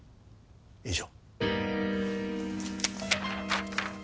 以上。